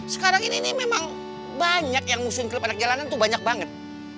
sekarang ini memang banyak yang muslim klub anak jalanan tuh banyak banget